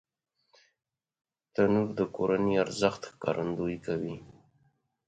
تنور د کورنی ارزښت ښکارندويي کوي